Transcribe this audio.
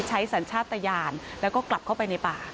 สัญชาติตะยานแล้วก็กลับเข้าไปในป่า